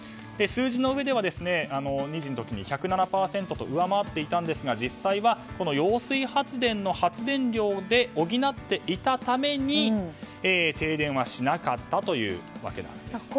数字の上では２時の時に１０７％と上回っていたんですが実際は揚水発電の発電量で補っていたために停電はしなかったという訳です。